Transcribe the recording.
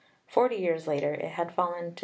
Forty years later it had fallen to 3·42.